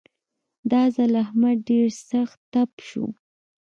دا ځل احمد ډېر سخت تپ شو.